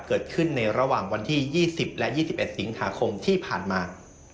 เกิดขึ้นในระหว่างวันที่๒๐และ๒๑สิงหาคมที่ผ่านมา